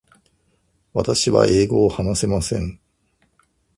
私は英語を話せません。